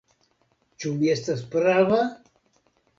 Ĉu mi estas prava?